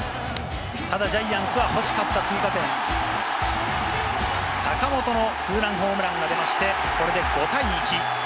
ただジャイアンツは欲しかった追加点、坂本のツーランホームランが出まして、これで５対１。